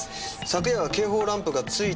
昨夜は警報ランプが点いたりは。